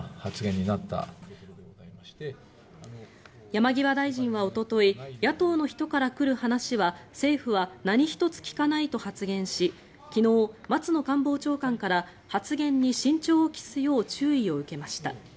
山際大臣はおととい野党の人から来る話は政府は何一つ聞かないと発言し昨日、松野官房長官から発言に慎重を期すよう注意を受けました。